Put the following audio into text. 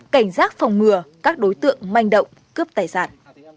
cảnh giác phòng ngừa các đối tượng manh động cướp tài sản